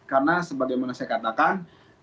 karena sebagaimana saya katakan